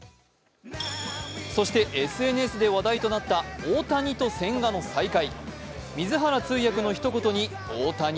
そしてＳＮＳで話題となった大谷と千賀の再会。